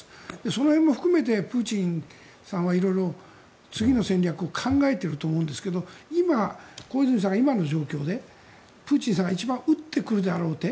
その辺も含めてプーチンさんは次の戦略を考えていると思うんですけど小泉さんが今の状況でプーチンさんが一番打ってくるであろう手。